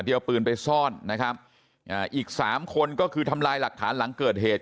เอาปืนไปซ่อนนะครับอ่าอีกสามคนก็คือทำลายหลักฐานหลังเกิดเหตุ